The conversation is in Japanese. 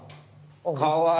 かわいい！